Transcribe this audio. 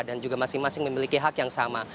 dan juga masing masing memiliki hak yang sama